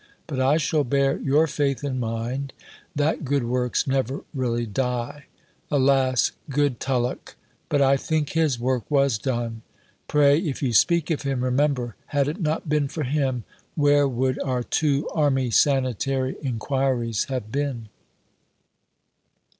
But I shall bear your faith in mind that good works never really die. Alas! good Tulloch. But I think his work was done. Pray, if you speak of him, remember had it not been for him, where would our two Army Sanitary enquiries have been?